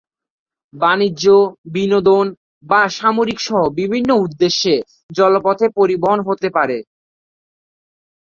বাণিজ্য, বিনোদন, বা সামরিক সহ বিভিন্ন উদ্দেশ্যে জলপথে পরিবহন হতে পারে।